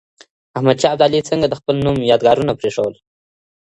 احمد شاه ابدالي څنګه د خپل نوم يادګارونه پرېښودل؟